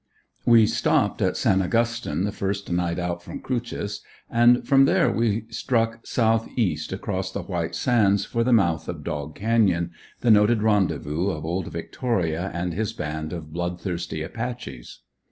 We stopped at San Augustine the first night out from "Cruces," and from there we struck south east across the white sands for the mouth of Dog canyon the noted rendezvous of old Victoria and his band of blood thirsty Apache's.